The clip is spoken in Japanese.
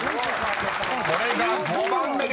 ［これが５番目です。